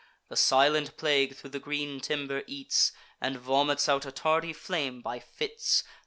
The silent plague thro' the green timber eats, And vomits out a tardy flame by fits.